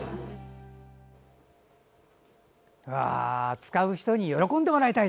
使う人に喜んでもらいたい。